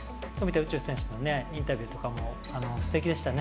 宇宙選手のインタビューもすてきでしたよね。